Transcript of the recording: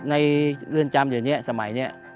ในเรื่องจำเดือนนี้สมัยนี้